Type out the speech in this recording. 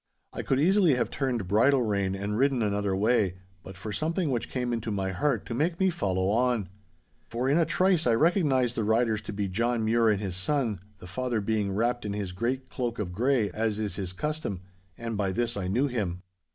I could easily have turned bridle rein and ridden another way, but for something which came into my heart to make me follow on. For in a trice I recognised the riders to be John Mure and his son, the father being wrapped in his great cloak of grey, as is his custom. And by this I knew him.